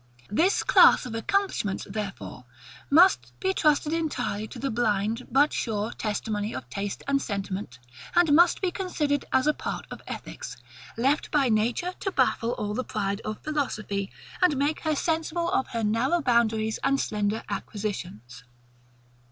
This class of accomplishments, therefore, must be trusted entirely to the blind, but sure testimony of taste and sentiment; and must be considered as a part of ethics, left by nature to baffle all the pride of philosophy, and make her sensible of her narrow boundaries and slender acquisitions.